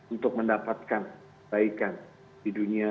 untuk mendapatkan kebaikan di dunia